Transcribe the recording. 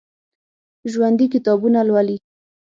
ژوندي کتابونه لولي